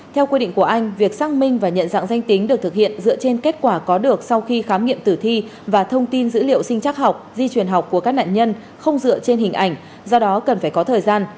theo quy định của anh việc xác minh và nhận dạng danh tính được thực hiện dựa trên kết quả có được sau khi khám nghiệm tử thi và thông tin dữ liệu sinh chắc học di truyền học của các nạn nhân không dựa trên hình ảnh do đó cần phải có thời gian